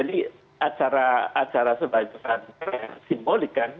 jadi acara acara sebagusnya yang simbolik kan